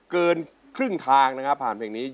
เกินครึ่งทางนะครับผ่านเพลงนี้